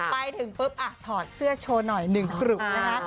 ไปถึงปุ๊บถอดเสื้อโชว์หน่อย๑กลุ่มนะคะ